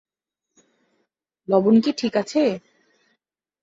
লবণ কি ঠিক আছে?